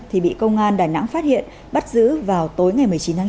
thì bị công an đà nẵng phát hiện bắt giữ vào tối ngày một mươi chín tháng chín